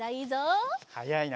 はやいな。